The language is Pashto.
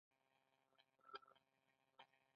تېر کال یې لومړنۍ نسخه وکتله.